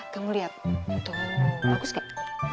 kamu lihat tuh bagus nggak